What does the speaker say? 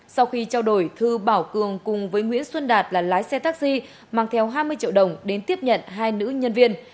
sau khi trao đổi thư bảo cường cùng với nguyễn xuân đạt là lái xe taxi mang theo hai mươi triệu đồng đến tiếp nhận hai nữ nhân viên